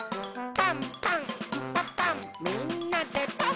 「パンパンんパパンみんなでパン！」